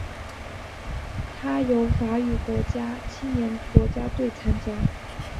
它由法语国家青年国家队参赛。